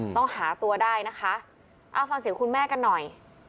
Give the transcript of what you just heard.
ต้องหาตัวได้นะคะเอาฟังเสียงคุณแม่กันหน่อย